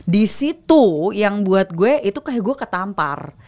di situ yang buat gue itu kayak gue ketampar